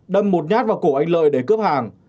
đâm một nhát vào cổ anh lợi để cướp hàng